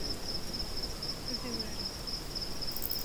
Ez ê werim.